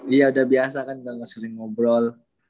iya udah biasa kan sering ngobrol